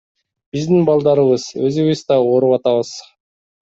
Биздин балдарыбыз, өзүбүз да ооруп атабыз.